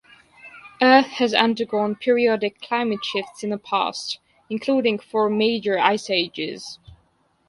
Earth has undergone periodic climate shifts in the past, including four major ice ages.